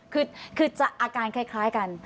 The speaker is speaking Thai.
คือจะอาการคล้ายกัน